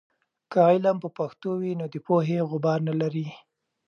که علم په پښتو وي، نو د پوهې غبار نلري.